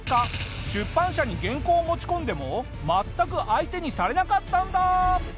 出版社に原稿を持ち込んでも全く相手にされなかったんだ！